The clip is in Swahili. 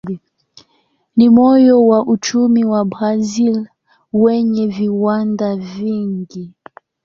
Ni moyo wa uchumi wa Brazil wenye viwanda vingi.